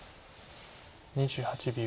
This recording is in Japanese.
２８秒。